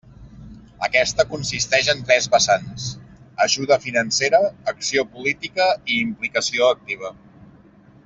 Aquesta consisteix en tres vessants: ajuda financera, acció política i implicació activa.